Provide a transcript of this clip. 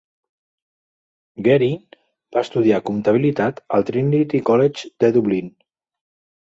Guerin va estudiar comptabilitat al Trinity College de Dublín.